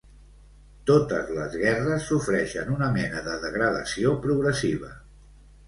Totes les guerres sofreixen una mena de degradació progressiva